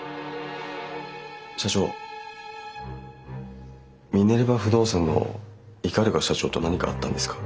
社長ミネルヴァ不動産の鵤社長と何かあったんですか？